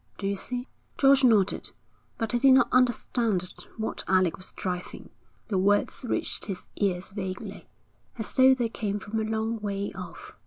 Do you see?' George nodded, but he did not understand at what Alec was driving. The words reached his ears vaguely, as though they came from a long way off.